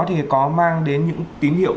thì có mang đến những tín hiệu